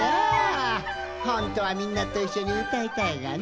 ほんとはみんなといっしょにうたいたいがな。